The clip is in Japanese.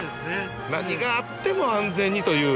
何があっても安全にという。